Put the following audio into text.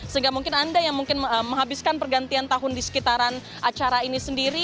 sehingga mungkin anda yang mungkin menghabiskan pergantian tahun di sekitaran acara ini sendiri